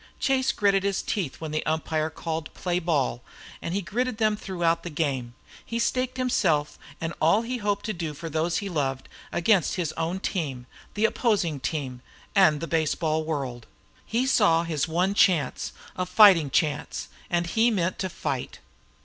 Chase gritted his teeth when the umpire called: "Play ball!" and he gritted them throughout the game. He staked himself and all he hoped to do for those he loved, against his own team, the opposing team, and the baseball world. He saw his one chance, a fighting chance, and he meant to fight.